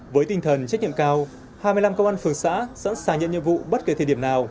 với tinh thần trách nhiệm cao hai mươi năm công an phường xã sẵn sàng nhận nhiệm vụ bất kể thời điểm nào